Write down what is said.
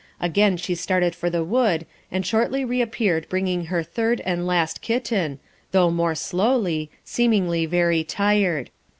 Again she started for the wood, and shortly reappeared bringing her third and last kitten, though more slowly, seemingly very tired.